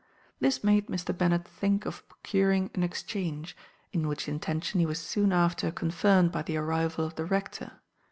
This made Mr. Bennet think of procuring an exchange, in which intention he was soon after confirmed by the arrival of the rector.